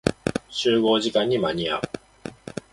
集合時間に間に合う。